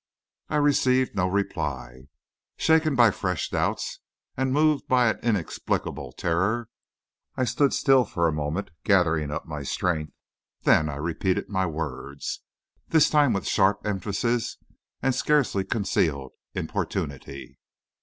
I received no reply. Shaken by fresh doubts, and moved by an inexplicable terror, I stood still for a moment gathering up my strength, then I repeated my words, this time with sharp emphasis and scarcely concealed importunity.